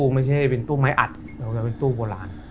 ไม่ใช่เป็นตู้ไม้อัดเป็นตู้โบราณ